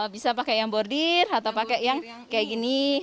bisa pakai yang bordir atau pakai yang kayak gini